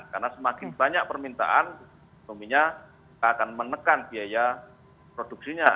karena semakin banyak permintaan semakin banyak akan menekan biaya produksinya